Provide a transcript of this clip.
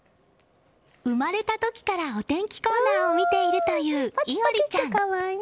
生まれた時からお天気コーナーを見ているという衣織ちゃん。